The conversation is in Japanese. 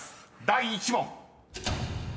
第１問］